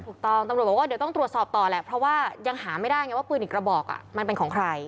ตำรวจบอกว่าเดี๋ยวต้องตรวจสอบต่อแหละเพราะว่ายังหาไม่ได้ไงว่าปืนอีกกระบอกมันเป็นของใคร